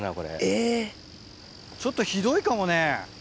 ちょっとひどいかもね。